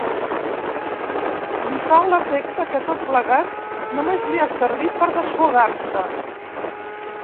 Li fa l'efecte que, tot plegat, només li ha servit per desfogar-se.